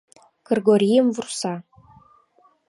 Кыргорийым вурса.